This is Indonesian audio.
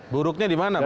buruknya di mana bang